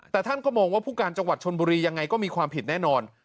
แต่ท่านก็มองว่าผู้การจังหวัดชนบุรียังไงก็มีความผิดแน่นอน